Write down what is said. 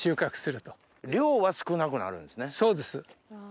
そうです。